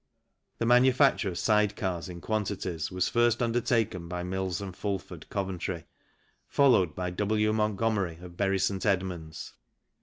The manufacture of side cars 112 THE CYCLE INDUSTRY in quantities was first undertaken by Mills & Fulford, Coventry, followed by W. Montgomery, of Bury St. Edmunds.